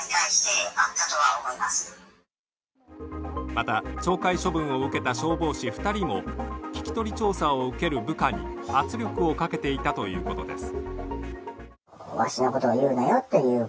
また、懲戒処分を受けた消防士２人も聞き取り調査を受ける部下に圧力をかけていたということです。